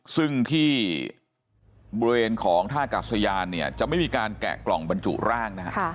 ซึ่งที่บริเวณของท่ากัดสยานเนี่ยจะไม่มีการแกะกล่องบรรจุร่างนะฮะ